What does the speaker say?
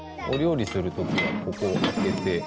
お料理する時はここを開けて。